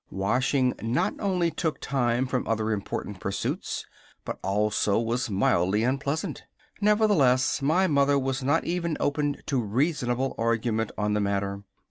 Washing not only took time from other important pursuits, but also was mildly unpleasant. Nevertheless, my mother was not even open to reasonable argument on the matter.